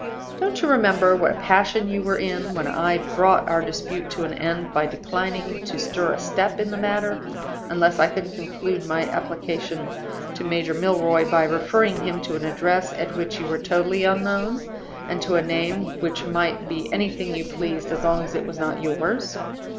Don't you remember what a passion you were in when I brought our dispute to an end by declining to stir a step in the matter, unless I could conclude my application to Major Milroy by referring him to an address at which you were totally unknown, and to a name which might be anything you pleased, as long as it was not yours?